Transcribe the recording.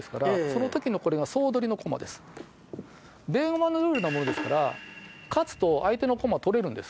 ベーゴマのルールなものですから勝つと、相手のコマをとれるんです。